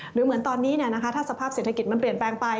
หรือเหมือนตอนนี้ถ้าสภาพเศรษฐกิจมันเปลี่ยนแปลงไป